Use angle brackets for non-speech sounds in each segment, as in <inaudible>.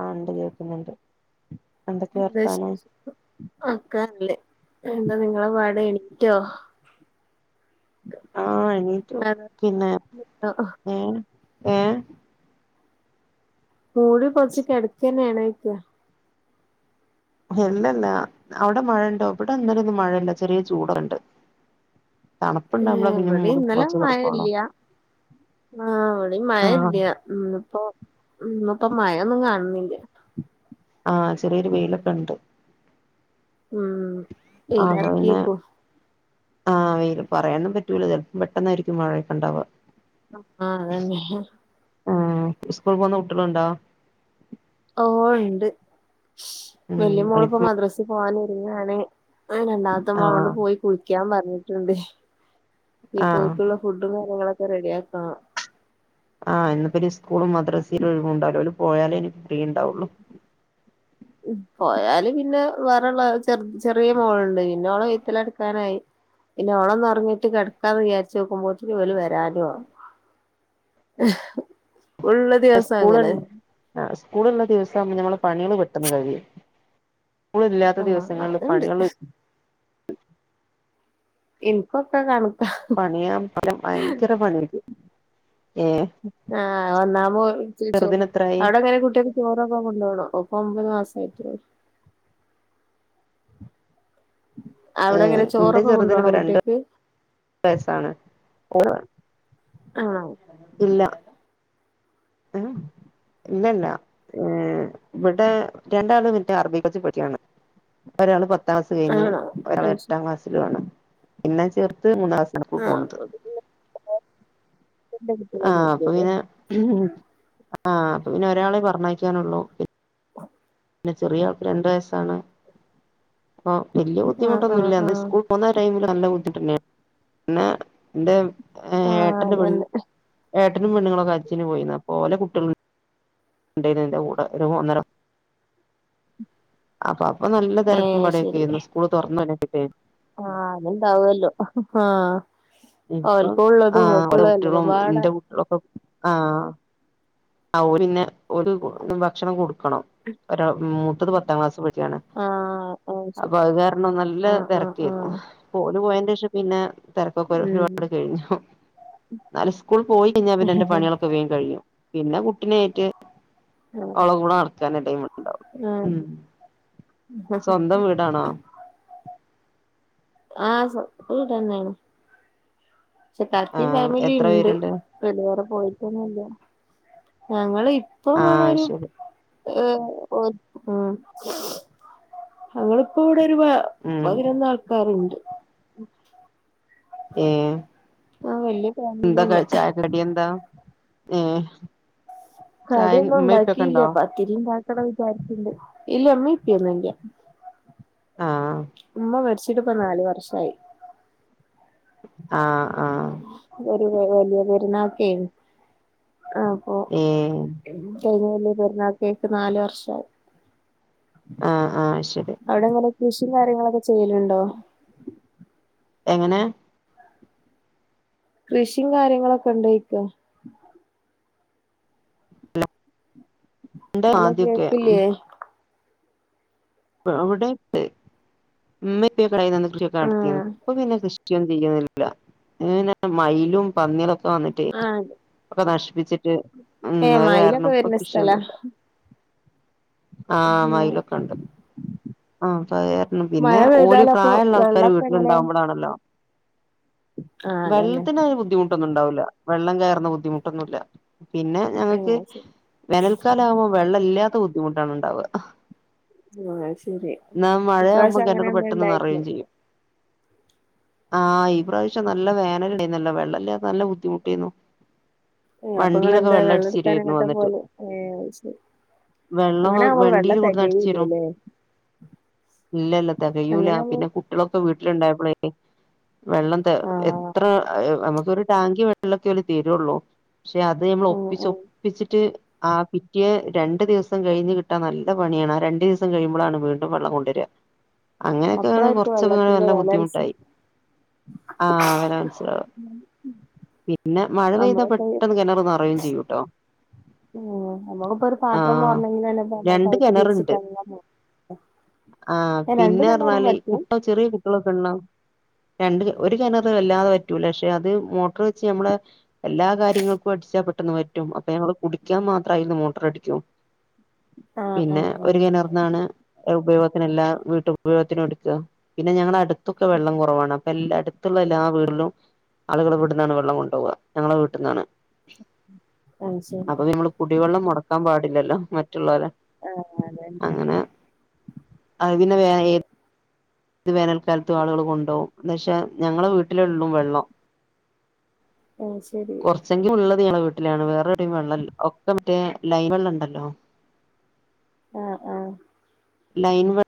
ആ ഉണ്ട് കേക്കുന്നുണ്ട് എന്താ വിശേഷം ഓ ക്കല്ലേ എന്താ നിങ്ങളെ പാട് എണിറ്റൊ ആഹ് എണീറ്റു അതോ പിന്നെ ഏഹ് ഏഹ് മൂടി പൊതച്ച് കെടക്കേന്നെണോ ചോയ്ക്ക ഹ്‌ഹില്ലില്ല അവിട മഴയുണ്ടോ ഇവിട അങ്ങനൊന്നും മഴയില്ല ചെറിയ ചൂടുണ്ട് തണുപ്പുണ്ടാ മ്മള് പിന്ന ഇവിടെ മൂടി ഇന്നലെ പൊതച്ച് മഴ കെടക്കോല്ലോ ഇല്ല ആഹ് ഇവിടേം മഴ ഇല്ല ഇന്നിപ്പോ ഇന്നിപ്പൊ മഴൊന്നും കാണണില്ല ആഹ് ചെറിയൊരു വെയിലൊക്കെ ഉണ്ട് ഊം ആ അത് പി ന്നെ ആഹ് വെയില് പറയാനും പറ്റൂല ചെലപ്പം പെട്ടെന്നായിരിക്കും മഴേക്കണ്ടാവുക ആഹ് അതന്നെ ആ സ്കൂൾ പോകുന്ന കുട്ടേളുണ്ടാ ഓ ഒണ്ട് ഉം വല്യ മോള്പ്പോ എനിക്ക് മദ്രാസേ പോവാനൊരുങ്ങയാണ് ആ രണ്ടാമത്തെ മോളോട് ആഹ് പോയി കുളിക്കാൻ പറഞ്ഞിട്ടുണ്ട് ഇ ആഹ് പോക്കുള്ള ഫുഡ് ഫുഡും കാര്യങ്ങളൊക്കെറെഡിയാക്കണം ആഹ് ഇന്നിപ്പൊരു സ്കൂളും മദ്രസില്ല. ഒഴിവും ഉണ്ടാവൂല. ഓല് പോയാലേ നിപ്പൊ ഫ്രീ ണ്ടാവുള്ളു ഉം പോയാല് പിന്നെ വേറെള്ള ചെറ്‌ത് ചെറിയ മോളുണ്ട് പിന്നെ അവളെ <unintelligible> ത്താനായി പിന്നെ ഓളൊന്നൊറങ്ങീട്ട് കെടക്കാന്ന് വിചാരിച്ചു നിക്കുമ്പോത്തിനും ഓര് വരാനു ആകും ഉള്ള ദിവസം അങ്ങനെ സ്കൂളണ്ട് ആഹ് സ്കൂളുള്ള ദിവസാവുമ്പ ഞമ്മള് പണികള് പെട്ടന്ന് കഴിയും സ്കൂളില്ലാത്ത ആഹ് ദിവസങ്ങളില് അതുണ്ട് പണികള് എനിക്കൊക്കെ കാണും പണിയാൻ പല ഭയങ്കര പണിയാരിക്കും ഏഹ് ആഹ് ഒന്നാമോച്ചിച്ചോ ചെറുതിന് എത്രായി അവിടെങ്ങനെ കുട്ടിയേക്ക് ചോറൊക്കെ കൊണ്ടോണോ ഒപ്പൊ ഒമ്പത് മാസമായിട്ട് അവിടെ ഏഹ് എങ്ങനെ എന്റെ ചോറൊക്കെ ചെറുതിന് കൊണ്ടോണോ ഇപ്പ രണ്ട് കുട്ടിയക്ക് വയസാണ് ഓന് ആഹ് ഇല്ല ഏഹ് ഇല്ലല്ല ഇവിടെ രണ്ടാളും മറ്റേ അറബി <unintelligible> പൊയ്ക്കാണ് ഒരാള് പത്താം ക്ലാസ് കയ്ഞ്ഞ്, ആണോ ഒരാള് അത് ശരി എട്ടാം ക്ലാസ്സിലും ആണ്. പിന്നെ ചേർത് മൂന്നാം ക്ലാസ്സിലേക്ക് ആഹ് പോണത് അപ്പൊപ്പിന്നെ ആഹ് കുട്ടികളൊന്നുല്ല അപ്പൊ പിന്നെ ഉം ആഹ് പ്പൊ പിന്നെ ഒരാളെ പറഞ്ഞയ്ക്കാനുള്ളൂ പിന്നെ ചെറ്യേആൾക്ക് രണ്ട് വയസ്സാണ്, അപ്പൊ വല്യ ആഹ് ആഹ് ബുദ്ധിമുട്ടൊന്നുല്ല ന്ന് ആഹ് സ്കൂ പോന്ന ടൈമില് നല്ല ബുദ്ധിട്ടന്നെ പിന്നെ ന്റെ ആഹ് ഏട്ടന്റെ പെണ് അതന്നെ ഏട്ടനുംപെണ്ണ്ങ്ങളൊക്കെ ഹജ്ജിന് പോയിന്നു അപോലെ കുട്ട്യേള് ണ്ടേയ്ന്ന് ന്റെ കൂടെ ഒരു ഒന്നര അപ്പൊ അപ്പൊ നല്ലതിരക്കും ഏഹ് ശരി പടയൊക്കെരുന്നു സ്കൂള് തുറന്ന <unintelligible> ആഹ് അത്ണ്ടാവുല്ലോ ആഹ് ഇപ്പം ഓൽക്കുള്ളതും ആഹ് ഓരെ ഇങ്ങക്കുള്ളതും കുട്ട്യേളും എല്ലതുംപാടെ ന്റെ കുട്ട്യേളൊപ്പം ആഹ് ആ ഒരിന്നെ ഓര് ഭക്ഷണം കൊടുക്ക ക്കണം. ഓരെ മൂത്തത് പത്താം ക്ലാസ് പഠിക്കാണ് ആഹ് ആഹ് ശരി അപ്പൊ അത് കാരണം നല്ല ആഹ് ആഹ് തെരക്കേര്ന്നു ആഹ് പ്പോ ഓല് പോയെന്റെഷം പിന്നെ തിര ഒരുപാട് ഉം കഴിഞ്ഞു. ന്നാലും സ്കൂൾ പോയി കയ്ഞ്ഞാ പിന്നെന്റെ പണികളൊ ക്കെ വേം കഴിയും, പിന്നെ കുട്ടിനേറ്റ് അവള കൂടെ നടക്കാനെ ടൈമ് ണ്ടാവു ആഹ് ഉം സ്വന്തം വീടാണോ ആഹ് സ്വന്തം വീടന്നേണ്, പക്ഷെ ത്താത്തിം ആഹ് എത്ര ഫാമിലിംണ്ട് പേരുണ്ട് ഓല് വേറെ പോയിട്ടൊന്നുല്ല ഞങ്ങള് ആഹ് ഇപ്പംവടൊരു ശരി ഏഹ് ഓഹ് ഉം ഞങ്ങളിപ്പോവടെ ഒരു ഉം പതിനൊന്ന് ആൾക്കാര്ണ്ട് ഏഹ് ആഹ് വല്യ എന്താ ഫാമിലിയന്നെ ചായക്കടി എന്താ ഏഹ് ചായ ഉമ്മേം ഉപ്പേക്കെ ഉണ്ടോ കടിയൊന്നുണ്ടാക്കീല്ല പത്തിരി ഇണ്ടാക്കണം വിചാരിക്ണ്ട്, ഇല്ല ഇമ്മീ ഇപ്പൊന്നും ഇല്ല ആഹ് ഉമ്മ മരിച്ചിട്ട് ഇപ്പ നാല് വർഷായി ആഹ് ആഹ് ഒരു വ വലിയ പെരുന്നാക്കെയ്ന്ന് അപ്പോ ഏഹ് കയ്ഞ്ഞ വെല്ല്യെപെര്ന്നാക്കക്ക് നാല് വർഷായി ആഹ് ആഹ് ശരി അവ്ടെങ്ങനെ കൃഷീം കാര്യങ്ങളൊക്കെ ചെയ്യല്ണ്ടോ എങ്ങനെ കൃഷിം കാര്യങ്ങളൊക്കെണ്ടോയ്ക്ക ഉണ്ട് ഹലോ ആദ്യൊക്കെ കേക്കില്ലേ അവിടെണ്ട് മ്മീം പ്പീം ഒക്കെ ആയീന്നന്ന് കൃശ്യൊക്കെ നടത്തീന്നു ഇപ്പൊ പിന്നെ കൃഷി <unintelligible> മയിലും പന്നി തോന്ന്ട്ടേ ആ ഒക്കെ നശിപ്പിച്ചിട്ട് ഉം ഏ അത് മയിലൊക്കെ കാരണംപ്പ വരുന്ന സ്ഥലാ കൃഷിയൊന്നുല്ല ആഹ് മൈലൊക്കണ്ട് ആഹ് അപ്പാരണം പിന്നെ മഴ ഓല് പെയ്താലപ്പൊ പ്രായള്ള ആൾക്കാർ വെള്ളൊക്കെ എങ്ങനെ വീട്ടിലുണ്ടാാവുമ്പോഴാണല്ലോ ആ അതന്നെ വെള്ളത്തിനങ്ങനെ ബുദ്ധിമുട്ടൊന്നും ഉണ്ടാവൂല്ല വെള്ളം കയറുന്ന ബുദ്ധിമുട്ടൊന്നുല്ല പിന്നെ ഏ ഞങ്ങക്ക് ശരി വേനൽക്കാല ആകുമ്പോ വെള്ളല്ലാത്ത ബുദ്ധിമുട്ടാണ് ണ്ടാവ ആയ് ശെരി മഴയാകുമ്പോ ഇപ്രാവശ്യം അങ്ങനെ കിണർ ഒന്ന് പെട്ടെന്ന് ഇണ്ടായിരുന്നു നിറയും ചെയ്യും ആഹ് ഈ പ്രാവശ്യം നല്ല വേനല് ണ്ടായീന്നല്ലോ വെള്ളല്ലാതെ നല്ലം ബുദ്ധിമുട്ടിന്നു ഏ അപ്പൊ ഇങ്ങെളെന്താ തരുവായിരുന്നു വെള്ളട്ക്കാനെങ്ങട്ടാ വന്നിട്ട് പോവല് ഏഹ് അയ് ശെരി വെള്ളം അങ്ങനാവുമ്പോ വെള്ള വണ്ടിയിൽ കൊണ്ടുവന്ന് അടിച്ച് തരും തെകയുല്ലല്ലേ ഇല്ലല്ല തികയൂല പിന്നെ കുട്ട്യേളൊക്കെ വീട്ടിലിണ്ടായപ്പളേ വെള്ളം ത ആ എത്ര നമ്ക്കൊരു ടാങ്കി വെള്ളൊക്കെ ഓല് തെരുള്ളൂ പക്ഷെ അത് നമ്മൾ ആ ആ ഒപ്പിചൊ പിച്ച്ട്ട് ആ പിറ്റേ രണ്ട് ദിവസം കഴിഞ്ഞ് കിട്ടാൻ നല്ല പണിയാണ് ആഹ് രണ്ട് ദിവസം കഴിമ്പോളാണ്. വീണ്ടും വള്ളം കൊണ്ടര അങ്ങനെയൊക്കെ അപ്പളായിരിക്കും കുറച്ചൊക്കെ വെള്ളത്തിന്റെ നല്ല വില അനുസ ബുദ്ധിമുട്ടായി. ആ വെരാ മനസ്സിലാവും. പിന്നെ മഴ നമ്മളിപ്പോ പെയ്താപെട്ടെന്ന് കെണർ ന്നറിം ചെയ്യൂട്ടോ. ഉം ഞമ്മള് പൊര് ആ പാത്രമോർണെങ്കി തന്നെപ്പ ഞമ്മളെ രണ്ട് പൈപ്പ് തിരിച്ചിട്ട ങ്ങനെ പോവും. ആഹ് പിന്നെ പറഞ്ഞാല് കുട്ട ചെറിയ കുട്ട്യളൊക്കിണ്ണം രണ്ട് ഒരു കെണറ് വല്ലാതെ വറ്റൂല പഷെ അത് മോട്ടർ വെച്ച് ഞമ്മള്. എല്ലാ കാര്യങ്ങൾക്കും അടിച്ചാൽ പെട്ടെന്ന് വറ്റും അപ്പൊ ഞങ്ങള് കുടിക്കാൻ മാത്രായിന്ന് മോട്ടർ അടിക്കും ആ ആ പിന്നെ ആ ഒര് കെണർന്നാണ് എ ഉപയോഗത്തിന എല്ലാം വീട്ടുപയോഗത്ത്നും ഇട്ക്ക. പിന്നെ ഞങ്ങളെ അടുത്തൊക്കെ വെള്ളം കുറവാണ് അപ്പൊ എല്ലാ അട്ത്തുള്ള എല്ലാ വീടിലും. ആളുകള് ഇവ്ട്ന്നാണ് വെള്ളം കൊണ്ടോവ ഞങ്ങളെ വീട്ട്ന്നാണ്. അത് ശരി അപ്പൊ ഞമ്മള് കുടിവെള്ളം മൊടക്കാൻ പാടില്ലല്ലോ മറ്റുള്ളോലെ. ആഹ് അതെന്നെ. അതിന് വേ അയിൽ ഇത് വേനൽക്കാലത്ത് ആളുകൾ കൊണ്ടോകും ന്ന് വെശാ ഞങ്ങളെ വീട്ടിലൊള്ളൂ വെള്ളം. അയ്സെരി. ഷെങ്കി ഉള്ളത് ഞങ്ങളെ വീട്ടിലാണ് വേറെ എവ്ടിം വെള്ളല്ലാ ഒക്കെ മറ്റേ ലൈൻ വെള്ളണ്ടല്ലോ. ആഹ് ആഹ് ലൈൻ വ്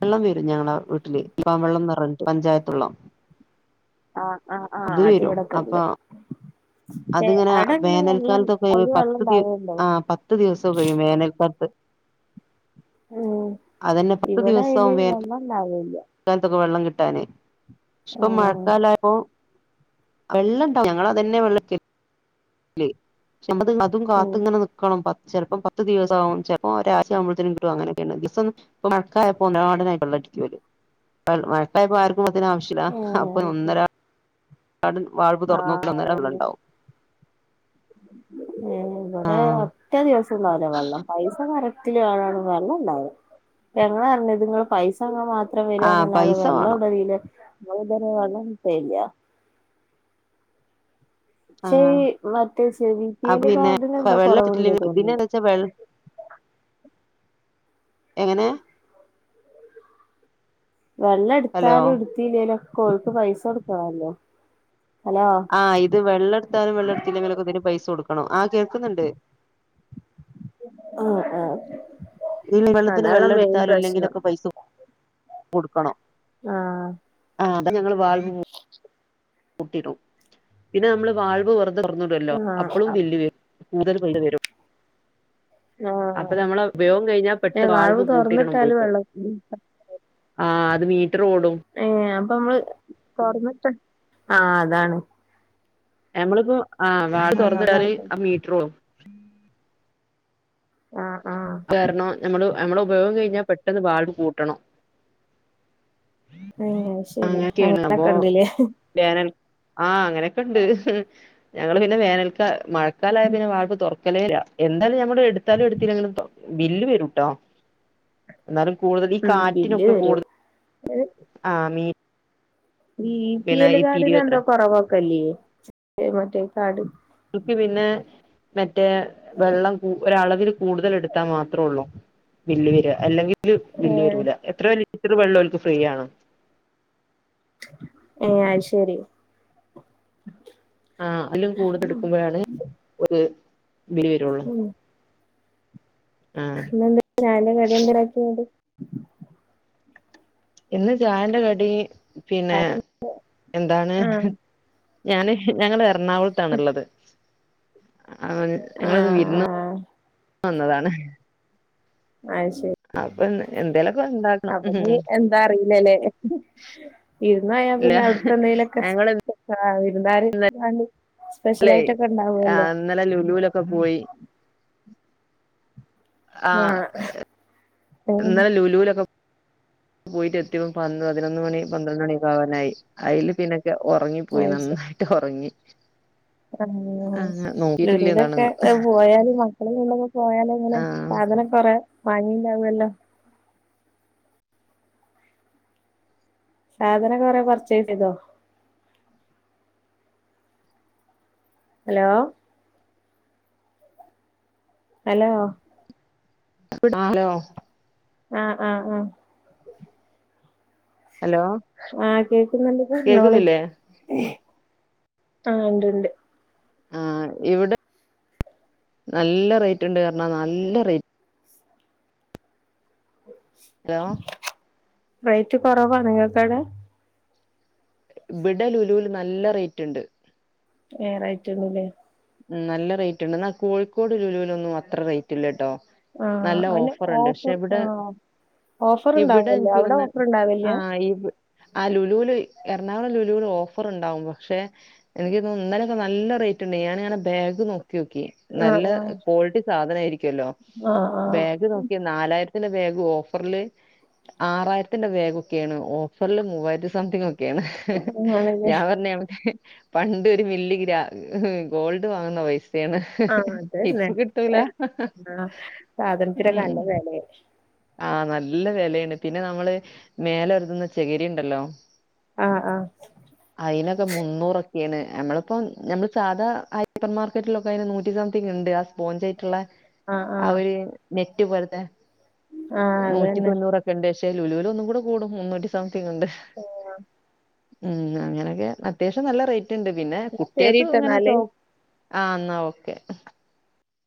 വെള്ളം വെരും ഞങ്ങളെ വീട്ടില് ലോം വെള്ളംന്ന് പറഞ്ഞ്ട്ട് പഞ്ചായത്തള്ളം. ആഹ് ആഹ് ആഹ് അത്വ്ടക്കെണ്ട്. അത്ങ്ങനെ വെള്ളം വേനൽക്കാലത്തൊക്കെങ്ങള് അയില് വെള്ളം പത്ത് പെ താഴെയുണ്ടോ ആ പത്ത് ത്ത് ദിവസം വെയും വേനൽക്കാത്ത്. ഉം അതന്നെ ഇവ്ടെ അയ്ന് വെള്ളണ്ടാവില്ല. ക്കാൻത്തൊക്കെ വെള്ളം കിട്ടാന് ഇപ്പൊ ആഹ് മഴക്കാലായപോ. വെള്ളംണ്ടാവും ഞങ്ങളതന്നെ വെള്ളട്ക്കല് ശെ ഞമ്മത് അതും ഉം കാത്ത്ങ്ങനെനിക് ക്കണം പത് ചെൽപ്പം പത്ത് ദിവസവും ചെൽപ്പോ ഒരാഴ്ച്ചഅമ്പോത്തിന് കിട്ടും അങ്ങനൊക്കെണ്ട് ദിവസോന്നും ഇപ്പൊ മഴക്കാലപ്പോ ഒന്നാരടനായി വെള്ളടിക്കോല്. എൾ മഴക്കായപ്പൊ ആർക്കു അതിനാ വശ്യല്ലാ അപ്പൊ ഏഹ് ശരി ഒന്നരാ ട്ടടൻവാൽവ് തോർന്നോക്ക ആഹ് അന്നരംവെള്ളണ്ടാവും. ഏ ഇവ്ടെ ആഹ് ഒറ്റ ദിവസംഇണ്ടാവുല വെള്ളം പൈസ കറക് ത്തിലാളാണ് വെള്ളണ്ടാവല് ഞങ്ങഞ്ഞങ്ങൾ പൈസങ്ങ മാത് ത്രം ആഹ് വരന്നല്ലാതെ പൈസ വേണം വെള്ളോടലില്ല ബ്ടെതരേ വള്ളം കിട്ടലില്ല. ആ പക്ഷെ ഈ മറ്റേ സി ബി പി അപ്പൊ എൽ പിന്നെ കാർഡിന് എന്തോ കൊറവുണ്ട് വെള്ളിട്ടില്ലെങ്കി തോന്നുന്നു പിന്നെ ച്ചാ വെൾ എങ്ങനെ വെള്ളം ഹലോ ഇട്ത്താലും ഇടുത്തില്ലേലും ഓൽക്ക് പൈസ കൊടുക്കണല്ലോ അലോ. ആ ഇത് വെള്ളട്ത്താലും വെള്ളെട്ത്തില്ലെങ്കിലൊക്കെ ഇതിന് പൈസ കൊടുക്കണം ആ കേക്കുന്നുണ്ട്. ആ ആ. ആ വെള്ളത്തിന് വെള്ളം എട്ത്താലും പ്രശ്നം ഇല്ലെങ്കിലൊക്കെ പൈസ കൊട്ക്കണം. ആഹ് അ അതെന്നെ ഞങ്ങള് വാൾവ് കൂട്ടിടും പിന്നെ ന്നമ്മള് വാൾവ് വെർ തുടർന്ന്ടല്ലോ അപ്പോഴും ആഹ് വില്ല് വെരും കൂടുതൽ വില്ല് വെരും. അപ്പൊ ആഹ് ഞമ്മളെ ഉപയോഗം കഴിഞ്ഞാ പെട്ട ഏഹ് വാൾവ് പൂട്ടിടണം തുറന്നിട്ടാല് പോയിട്ട്. വെള്ളം ആ അത് മീറ്റർ ഓടും ഏ അപ്പൊ നമ്മള് തോറന്നിട്ട് ആ അതാണ്. ഞമ്മളിപ്പോ ആ വാൾവ് അതുകൊണ്ടാണ് തോറന്ന്ട്ടാല് ആ മീറ്റർ പോവും ആ ആ കാരണം ഞമ്മള് ഞമ്മളെ ഉപയോഗം കഴിഞ്ഞാ പെട്ടെന്ന് വാള്വ്കൂട്ടണം. അ ശെരി അങ്ങനെയൊക്കെയാണ് അപ്പൊ അങ്ങനൊക്കെ ഉണ്ട്ല്ലേ. വേനൽ ആഹ് അങ്ങനെയൊക്കെ ഇണ്ട് ഞങ്ങള് പിന്നെ വേനൽ. മഴക്കാലായ പിന്നെ വാൾവ് തുറക്കലേ ഇല്ല എന്താലും ഞമ്മടെ എടുത്താലും എടുത്തില്ലെങ്കിലും പോ ബില്ല് വരുംട്ടോ എന്നാലും കൂടുതൽ ഈ ഉം ബില്ല് കാറ്റിനൊക്കെ കൂടു വരും ആഹ് മീ ഇ ബി പി പിന്നെ എൽ ഈ കാഡിന് എന്താ തിരിയുവത്രെ കൊറവോക്കല്ലേ മറ്റേ കാർഡ് ഇക്കി പിന്നെ മറ്റേ വെള്ളം ഒരളവിൽ കൂടുതൽ എടുത്താൽ മാത്രേം ഉള്ളൂ. ബില്ല് വര്യ അല്ലെങ്കിൽ ബില്ല് ഏഹ് വരൂല എത്ര ലിറ്റർ വെള്ളം ഓല്ക് ഫ്രീ ആണ്. ഏ അയ്ശേരി. ആ അതിലും കൂടുതൽ ഉം എടുക്കുമ്പോഴാണ് ഒരു ബില് വരോ ആ ഇന്നെന്താ ചായന്റെ കടിയന്തരാക്കിയ. ഇന്ന് ചായന്റെ കടി പിന്നെ എന്താണ് ആഹ് ആഹ് ഞാന് ഞങ്ങൾ എറണാകുളതാണുള്ളത് ഞങ്ങളോന്നു വിർന്ന ആഹ് വന്നതാണ് ആയ്ശരി അപ്പൊ എന്തേലൊക്കെ ഉണ്ടാക്കണം അപ്പോ ഉം ഇഞ് എന്താ അറിയില്ലല്ലേ. വിരുന്ന് ഇല്ല പോയപിന്നെ അവിടുത്തെ എന്തേലൊക്കെ വിരുന്നാര് <unintelligible> സ്പെഷ്യൽ അല്ലെ ആയിട്ടൊക്കെ ഉണ്ടാവുമല്ലോ ഇന്നലെ ലുലൂലൊക്കെ പോയി. ആ ആഹ് ഉം ഇന്നലേ ലൂലൂലൊക്കെ. <unintelligible> കെട്ടിയോൻ പതിനൊന്ന് മണി പന്ത്രണ്ട് മണിയോക്കെ ആവാനായി അയില് പിന്നൊക്കെ ഉറങ്ങിപ്പോയി നന്നായി. ട്ട് ഉറങ്ങി. ആ ആ നോക്കിട്ടില്ല ലുലൂലൊക്കെ എന്താണെന്ന് പോയാലും മക്കളെ കൊണ്ടൊന്നും പോയാലേങ്ങനെ ആ സാധനം കൊറെ വാങ്ങിണ്ടാവല്ലോ. സാധനം കൊറേ പർച്ചേസ് ചെയ്തോ? ഹലോ. ഹലോ <unintelligible> ആഹ് ആഹ് ആഹ്. ഹലോ, ആഹ് കേക്കുന്നുണ്ട് പറഞ്ഞോളി കേക്കുന്നില്ലേ ആഹ് ഉണ്ട് ഉണ്ട്. ആഹ് ഇവിടെ നല്ല റേറ്റ്ണ്ട് പറഞ്ഞാ നല്ല റേറ്റ് ഹലോ റേറ്റ് കുറവാ നിങ്ങൾക്കടെ ഇവടെ ലുലൂല് നല്ല റേറ്റ് ഇണ്ട് ഏ റേറ്റ് ഇണ്ടലെ നല്ല റേറ്റ്ണ്ട് എന്നാൽ കോഴിക്കോട് ലുലുലൊന്നും അത്ര റേറ്റ്ല്ലട്ടോ. ആഹ് നല്ല അതിന് ഓഫറുണ്ട് ക്ഷെ ഓഫർ ഇവിടെ. ആഹ് ഓഫർ ഇവിടെ ഉണ്ടാവല്ലോ ഇന്ക്ക് അവിടെ തോന്ന്ണെ ഓഫർ ഉണ്ടാവില്ല ആയി. ആ ലുലുല് എറണാകുളം ലുലുവില് ഓഫർ ഉണ്ടാവും പക്ഷെ. എനിക്ക് തോന്നുന്നു ഇന്നലൊക്കെ നല്ല റേറ്റ് ഉണ്ടായിനി ഞാനിങ്ങനെ. ബാഗ് നോക്കിയൊക്കി നല്ല ആഹ് ക്വാളിറ്റി സാധനം ആയിരിക്കുവല്ലോ. ആഹ് ആഹ്. ഇത് നോക്കി നാലായിരത്തിന്റെ ബാഗ് ഓഫറിൽ. ആറായിരത്തിന്റെ ബേഗൊക്കെയാണ് ഓഫറിൽ മൂവായിരത്തിസംതിങ് ഒക്കെ. അങ്ങനാണല്ലേ ഞാൻ പറഞ് പണ്ട് ഒരു മില്ലി ഗ്ര ഗോൾഡ്. അത് വങ്ങുന്ന പൈസയാണ്. ആഹ് അതന്നെ ഇപ്പ കിട്ടൂല്ല ആഹ് സാധനത്തിനൊക്കെ ഉം. നല്ല വെലയാ ആഹ് നല്ല വെലയിണ്ട് പിന്നെ നമ്മള് മേലെ ഒരുതുന്ന ചകിരി ഉണ്ടല്ലോ. ആഹ് ആഹ്. അയിനൊക്കെ മുന്നൂറൊക്കെയാണ് നമ്മളിപ്പം നമ്മള് സാധാ ആ സൂപ്പർ മാർക്കറ്റിലൊക്കെ അയിന് നൂറ്റിസംതിങ് ഉണ്ട് ആ സ്പോഞ്ച് ആയിട്ടുള്ള ആഹ് ആ ആഹ് ഒരു നെറ്റ് പോലത്തെ ആഹ് നൂറ്റി അതന്നെ തൊണ്ണൂറൊക്കെ ഉണ്ട് പക്ഷെ ലുലു ഒന്നും കൂടെ കൂടും മുന്നൂറ്റി റ്റി സംതിങ് ഉണ്ട് ഉം അങ്ങനൊക്കെ അത്യാവശ്യം നല്ല റ ണ്ട് പിന്നെ കുട്വക്ക് ശരിട്ടോ ഇങ്ങനെ എന്നാല് ആഹ് എന്നാ ഓക്കെ